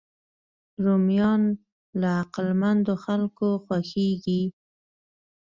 رومیان له عقلمندو خلکو خوښېږي